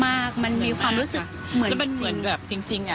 มากมันมีความรู้สึกเหมือนจริงแล้วมันเหมือนแบบจริง